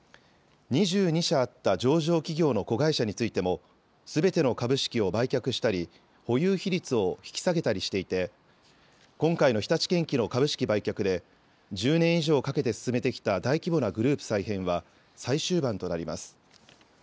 ２２社あった上場企業の子会社についてもすべての株式を売却したり保有比率を引き下げたりしていて今回の日立建機の株式売却で１０年以上かけて進めてきた大規模なグループ再編は最終盤となります。